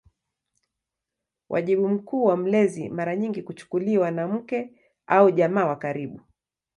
Wajibu mkuu wa mlezi mara nyingi kuchukuliwa na mke au jamaa wa karibu.